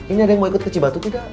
ini ada yang mau ikut kecibatu tidak